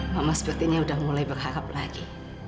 mama sepertinya sudah mulai berharap lagi